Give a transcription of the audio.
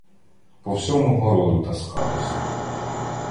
По всьому городу таскались